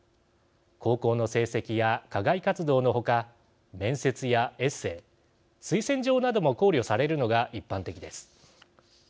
高校の成績や課外活動の他面接やエッセー推薦状なども考慮されるのが一般的です。